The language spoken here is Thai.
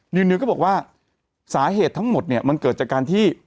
นิวก็บอกว่าสาเหตุทั้งหมดเนี่ยมันเกิดจากการที่